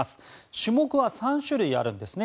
種目は３種類あるんですね。